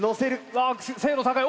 わ精度高い。